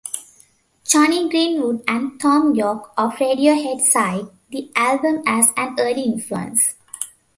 Jonny Greenwood and Thom Yorke of Radiohead cite the album as an early influence.